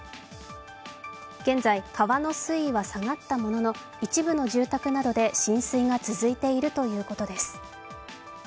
現在、川の水位は下がったものの一部の住宅などで浸水が続いているということです。